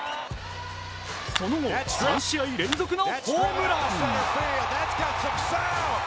その後、３試合連続のホームラン。